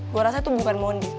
gua rasanya itu bukan mondi